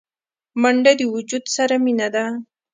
منډه د وجود سره مینه ده